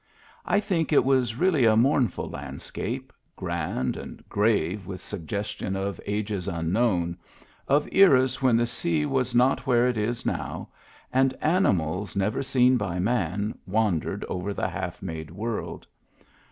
I think it was really a mournful landscape, grand and grave with suggestion of ages unknown, of eras when the sea was not where it is now, and animals never seen by man wandered over the half made world.